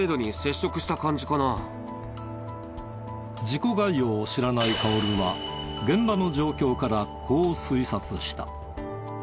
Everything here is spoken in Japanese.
事故概要を知らない薫は現場の状況からこう推察した。